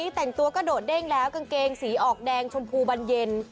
แต่งตัวกระโดดเด้งแล้วกางเกงสีออกแดงชมพูบันเย็น